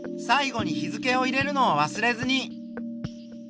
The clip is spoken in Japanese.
最後に日付を入れるのをわすれずに。